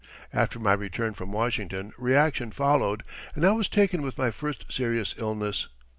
After my return from Washington reaction followed and I was taken with my first serious illness.